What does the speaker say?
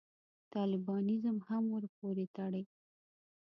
طالبانیزم هم ورپورې تړي.